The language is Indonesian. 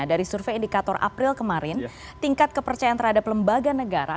karena sudah ada survei indikator april kemarin tingkat kepercayaan terhadap lembaga negara